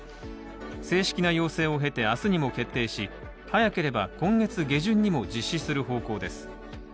正式な要請を経て、明日にも決定し早ければ今月下旬にも実施する方向です。